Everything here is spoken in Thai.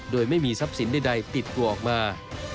โดยไม่มีทรัพย์สินใดติดตัวออกมา